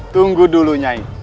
tunggu dulu nyai